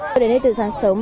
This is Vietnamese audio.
tôi đến đây từ sáng sớm